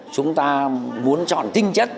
chúng ta muốn chọn tinh chất